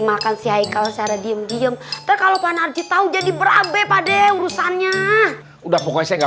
makan si haikal secara diem diem terkalo pak narji tahu jadi berabe pade urusannya udah pokoknya nggak